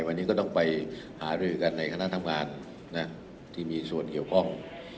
วันนี้ก็ต้องไปหารือกันในคณะทำงานที่มีส่วนเกี่ยวข้อง